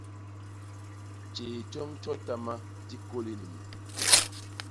Tjéé tjoñ tjotama di kôli ni me.